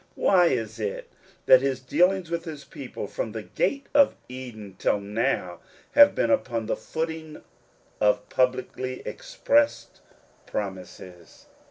Why is it tj^at his dealings with his people from the gate of Eden till now have been upon the footing of publicly expressed promises